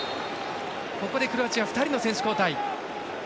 ここでクロアチア２人目の選手交代。